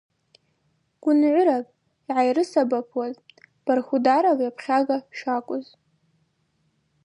Гвынгӏвырапӏ йгӏайрысабапуаз Бархударов йапхьага шакӏвыз.